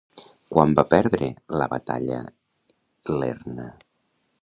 Quan va perdre la batalla Ierna?